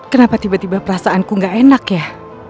kenapa tiba tiba perasaanku gak enak ya